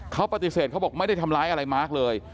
เขาปฏิเสธเขาบอกไม่ได้ทำร้ายอะไรมาร์คเลย